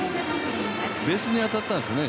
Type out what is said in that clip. ベースに当たったんですね